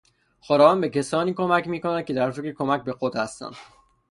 خداوند به کسانی کمک میکند که در فکر کمک به خود هستند.